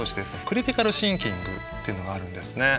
クリティカル・シンキングっていうのがあるんですね。